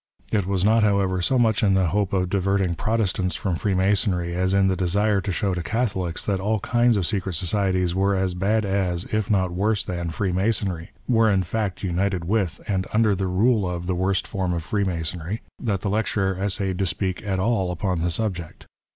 It was not, however, so much in the hope of diverting Protestants from Freemasonry as in the desire to show to Cathohcs that all kinds of secret societies were as bad as, if not worse than, Freemasonry — were, in fact, united with, and under the rule of the worst form of Freemasonry — that the lecturer essayed to speak at all upon the subject.